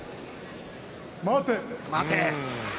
待て。